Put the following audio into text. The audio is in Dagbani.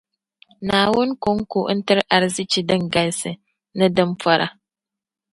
Naawuni koŋko n-tiri arzichi din galisi, ni din pɔra.